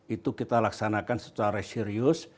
itu kita laksanakan secara serius